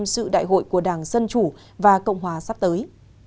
sự đại hội của đảng dân chủ và cộng hòa sắp tới